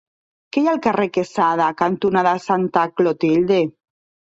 Què hi ha al carrer Quesada cantonada Santa Clotilde?